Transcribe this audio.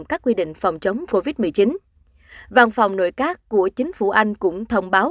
các quy định phòng chống covid một mươi chín văn phòng nội các của chính phủ anh cũng thông báo